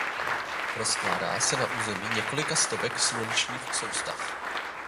Rozkládá se na území několika stovek slunečních soustav.